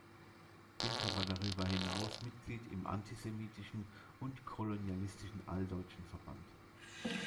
Dinter war darüber hinaus Mitglied im antisemitischen und kolonialistischen Alldeutschen Verband.